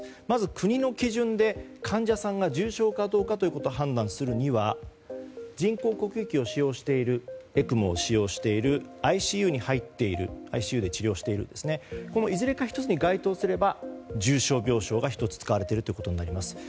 まず国の基準で患者さんが重症かどうかということを判断するには人工呼吸器を使用しているＥＣＭＯを使用しているＩＣＵに入っている治療しているいずれか１つに該当すれば重症病床が１つ使われていることになります。